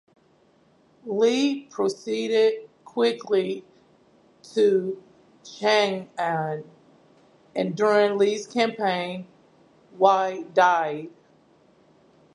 Li proceeded quickly to Chang'an, and during Li's campaign, Wei died.